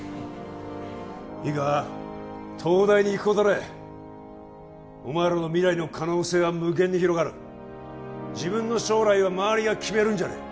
いいか東大に行くことでお前らの未来の可能性は無限に広がる自分の将来はまわりが決めるんじゃねえ